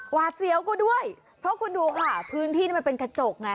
หวาเจี๊ยวก็ด้วยเพราะคุณดูค่ะพื้นที่เป็นกระจกไง